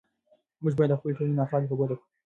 موږ باید د خپلې ټولنې ناخوالې په ګوته کړو.